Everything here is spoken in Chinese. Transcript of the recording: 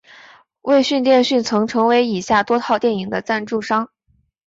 卫讯电讯曾成为以下多套电影的赞助商。